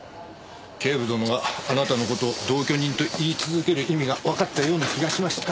警部殿があなたの事を同居人と言い続ける意味がわかったような気がしました。